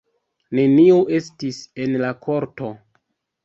Neniu estis en la korto.